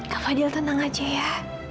kak fadil tenang aja ya